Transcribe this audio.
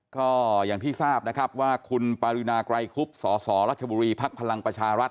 ก็อย่างที่ทราบนะครับว่าคุณปารินาไกรคุบสสรัชบุรีภักดิ์พลังประชารัฐ